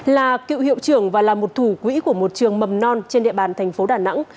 là cựu hiệu trưởng và là một thủ quỹ của một trường mầm non trên địa bàn thành phố đà nẵng